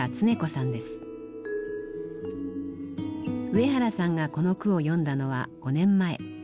上原さんがこの句を詠んだのは５年前。